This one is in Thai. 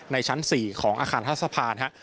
ในชั้น๔ของอาคารท่าสภานะครับ